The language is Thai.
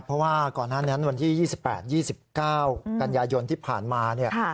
เพราะว่าก่อนหน้านั้นวันที่๒๘๒๙กันยายนที่ผ่านมาเนี่ย